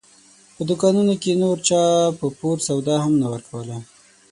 په دوکانونو کې نور چا په پور سودا هم نه ورکوله.